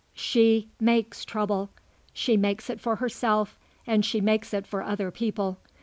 She makes trouble. She makes it for herself and she makes it for other people.